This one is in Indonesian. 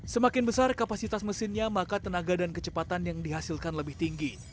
semakin besar kapasitas mesinnya maka tenaga dan kecepatan yang dihasilkan lebih tinggi